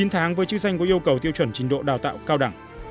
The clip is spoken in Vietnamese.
chín tháng với chức danh có yêu cầu tiêu chuẩn trình độ đào tạo cao đẳng